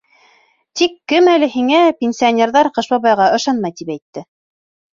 Тик кем әле һиңә, пенсионерҙар Ҡыш бабайға ышанмай, тип әйтте?